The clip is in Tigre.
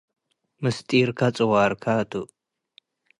ምስጢርከ ጽዋርከ ቱ።